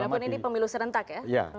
ini pemilu serentak ya